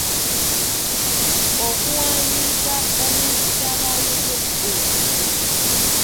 Okuwandiika omuntu ky’aba ayogedde.